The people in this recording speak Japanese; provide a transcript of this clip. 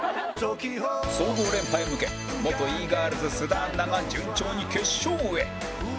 総合連覇へ向け元 Ｅ−ｇｉｒｌｓ 須田アンナが順調に決勝へ！